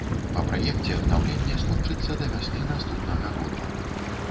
Па праекце аднаўленне скончыцца да вясны наступнага года.